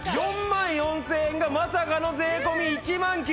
４万４０００円がまさかの税込１万９８００円。